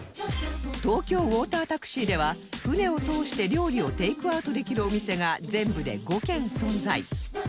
東京ウォータータクシーでは船を通して料理をテイクアウトできるお店が全部で５軒存在